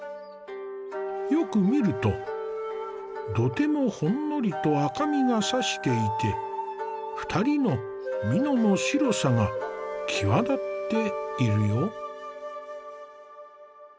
よく見ると土手もほんのりと赤みがさしていて２人の蓑の白さが際立っているよ。